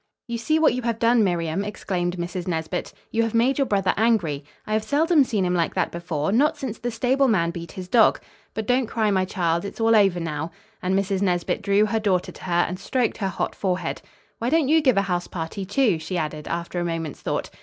"You see what you have done, Miriam," exclaimed Mrs. Nesbit. "You have made your brother angry. I have seldom seen him like that before, not since the stable man beat his dog. But don't cry, my child. It's all over now," and Mrs. Nesbit drew her daughter to her and stroked her hot forehead. "Why don't you give a house party, too?" she added after a moment's thought.